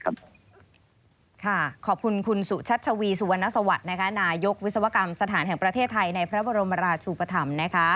ขอบคุณคุณสุชัชวีสุวรรณสวัสดิ์นายกวิศวกรรมสถานแห่งประเทศไทยในพระบรมราชูปธรรม